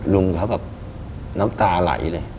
ลุงเขาแบบน้ำตาไหลเลย